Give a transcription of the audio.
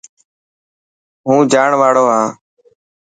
هون جاڻ واڙو هان.